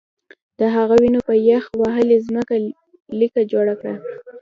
د هغه وینو په یخ وهلې ځمکه لیکه جوړه کړه